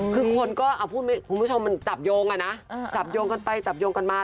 คือคุณผู้ชมมันจับโยงอะนะจับโยงกันไปจับโยงกันมา